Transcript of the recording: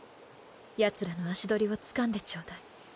ヤツらの足取りをつかんでちょうだい。